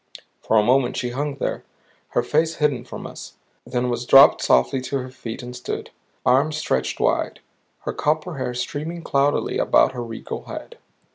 For a moment she hung there, her face hidden from us; then was dropped softly to her feet and stood, arms stretched wide, her copper hair streaming cloudily about her regal head.